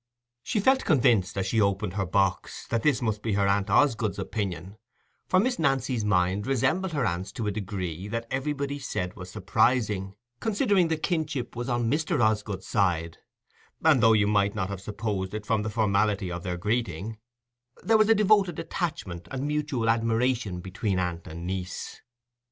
She felt convinced, as she opened her box, that this must be her aunt Osgood's opinion, for Miss Nancy's mind resembled her aunt's to a degree that everybody said was surprising, considering the kinship was on Mr. Osgood's side; and though you might not have supposed it from the formality of their greeting, there was a devoted attachment and mutual admiration between aunt and niece.